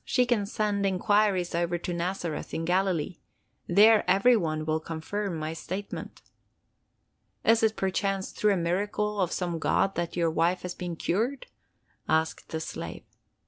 She can send inquiries over to Nazareth, in Galilee. There every one will confirm my statement." "Is it perchance through a miracle of some god that your wife has been cured?" asked the slave.